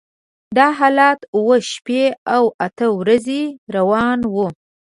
دا حالت اوه شپې او اته ورځې روان و.